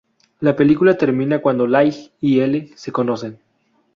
La película termina cuando Light y L se conocen.